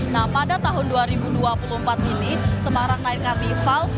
nah pada tahun dua ribu dua puluh empat ini semarang sembilan carnival